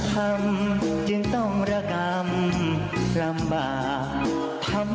ก่อนที่จะก่อเหตุนี้นะฮะไปดูนะฮะสิ่งที่เขาได้ทิ้งเอาไว้นะครับ